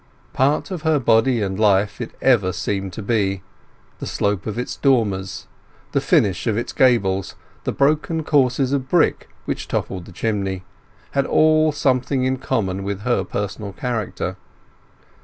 Part of her body and life it ever seemed to be; the slope of its dormers, the finish of its gables, the broken courses of brick which topped the chimney, all had something in common with her personal character.